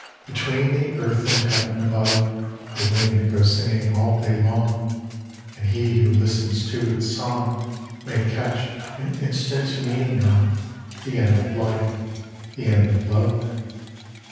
Between the Earth and Heav'n, above, The wind goes singing all day long; And he who listens to its song May catch an instant's meaning of The end of life, the end of love.